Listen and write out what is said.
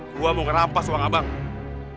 bu mau merampas uang abang